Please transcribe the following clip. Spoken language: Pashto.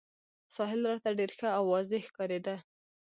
ساحل راته ډېر ښه او واضح ښکارېده.